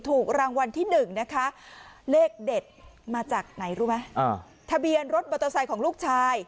ถูกรางวัลที่หนึ่งนะคะเลขเด็ดมาจากไหนรู้ไหมทะเบียนรถมอเตอร์ไซค์ของลูกชาย